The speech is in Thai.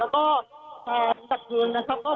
ก็ก็เผื่อ